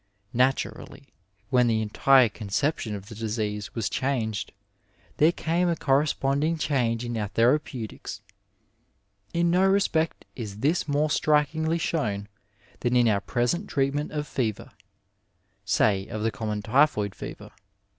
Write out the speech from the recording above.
Naturally, when the entire conception of the disease was changed, there came a corresponding change in our therapeutics. In no respect is this more strikingly shown than in our present treatment of fever — say, of the common typhoid fever.